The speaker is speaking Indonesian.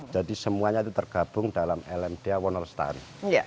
jadi semuanya itu tergabung dalam lmdh wono lestari